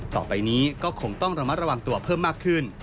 ต่อไปนี้ก็คงต้องระมัดระวังตัวเพิ่มมากขึ้น